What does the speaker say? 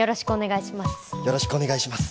よろしくお願いします